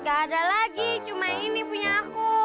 gak ada lagi cuma ini punya aku